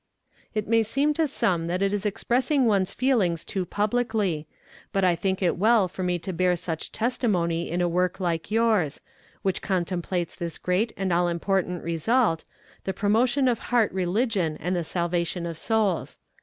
"It may seem to some that it is expressing one's feelings too publicly; but I think it well for me to bear such testimony in a work like yours, which contemplates this great and all important result, the promotion of heart religion and the salvation of souls.